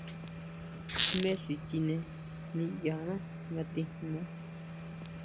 Jmé xi chineé niʼyaná nga tijnaá.